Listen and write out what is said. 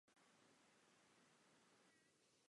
Později pracoval jako úředník První české vzájemné pojišťovny.